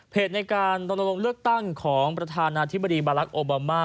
ในการลงเลือกตั้งของประธานาธิบดีบาลักษ์โอบามา